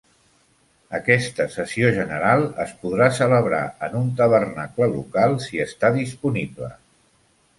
Aquesta sessió general es podrà celebrar en un tabernacle local si està disponible.